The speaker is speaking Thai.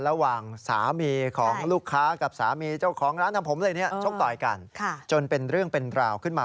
ระหว่างสามีของลูกค้ากับสามีเจ้าของร้านทำผมอะไรเนี่ยชกต่อยกันจนเป็นเรื่องเป็นราวขึ้นมา